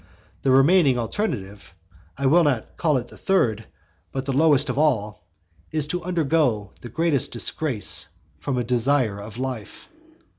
The remaining alternative, I will not call it the third, but the lowest of all, is to undergo the greatest disgrace from a desire of life.